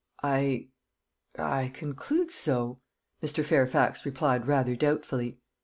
"I I conclude so," Mr. Fairfax replied rather doubtfully.